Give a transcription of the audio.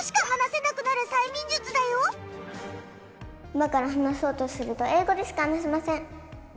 今から話そうとすると英語でしか話せません。